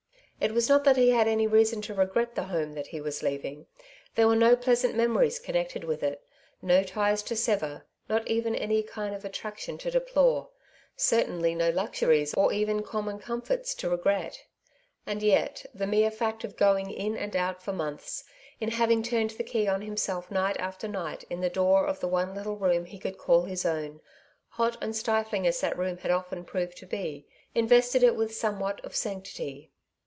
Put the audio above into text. It was not that he had any reason to regret the home that he was leaving ; there were no pleasaut memories connected with it, no ties to sever, not even any kind of attraction to deplore, certainly no luxuries, or even common comforts, to regret ; and yet the mere fact of going in and out for months, in having turned the key on himself night after night in the door of the one little room he could call his own, hot and stifling as that little room had often proved to be, invested it with somewhat of sanctity.